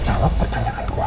jawab pertanyaan gua